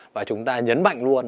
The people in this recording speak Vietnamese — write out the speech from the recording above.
và chúng ta nhấn mạnh luôn